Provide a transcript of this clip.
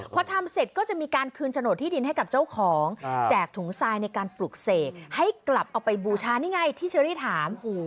พอทำเสร็จก็จะมีการคืนโฉนดที่ดินให้กับเจ้าของแจกถุงทรายในการปลูกเสกให้กลับเอาไปบูชานี่ไงที่เชอรี่ถาม